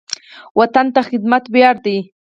وطن ته خدمت ویاړ دی